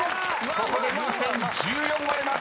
ここで風船１４割れます］